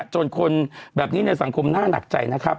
จนคนแบบนี้ในสังคมน่าหนักใจนะครับ